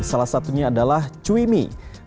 salah satunya adalah cui mie